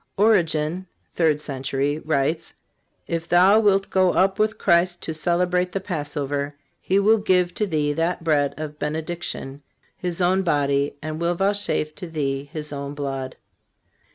Origen (third century) writes: "If thou wilt go up with Christ to celebrate the Passover, He will give to thee that bread of benediction, His own body, and will vouchsafe to thee His own blood."